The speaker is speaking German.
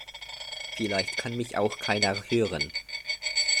Vielleicht kann mich auch keiner hören.